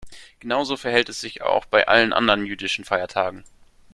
Genauso verhält es sich auch bei allen anderen jüdischen Feiertagen.